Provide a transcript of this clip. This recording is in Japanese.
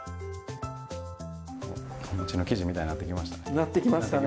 お餅の生地みたいになってきましたね。